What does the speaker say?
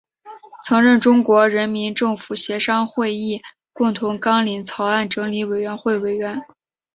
曾任中国人民政治协商会议共同纲领草案整理委员会委员。